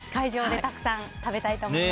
今年も会場でたくさん食べたいと思います。